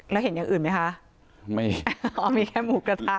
แล้วเห็นอย่างอื่นไหมคะ